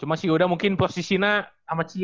cuma si yuda mungkin posisinya sama cia